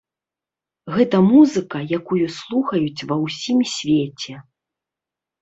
Гэта музыка, якую слухаюць ва ўсім свеце.